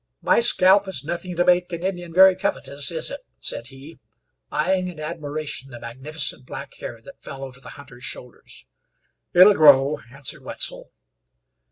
"My scalp is nothing to make an Indian very covetous, is it?" said he, eyeing in admiration the magnificent black hair that fell over the hunter's shoulders. "It'll grow," answered Wetzel.